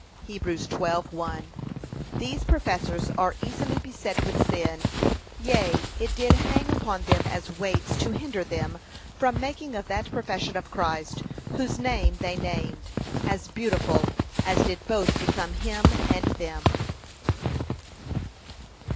(Heb. 12:1) These professors are easily beset with sin, yea, it did hang upon them as weights to hinder them from making of that profession of Christ, whose name they named, as beautiful as did become both him and them.